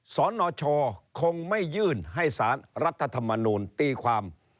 สนชคงไม่ยื่นให้สารรัฐธรรมนูลตีความ